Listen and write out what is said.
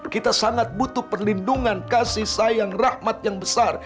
kita sangat butuh perlindungan kasih sayang rahmat yang besar